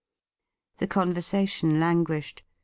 The conversation languished.